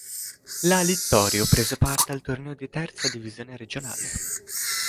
La Littorio prese parte al torneo di Terza Divisione Regionale.